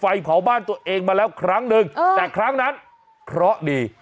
ไฟเผาบ้านตัวเองมาแล้วครั้งหนึ่งแต่ครั้งนั้นเคราะห์ดี